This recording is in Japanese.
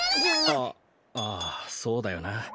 あっああそうだよな。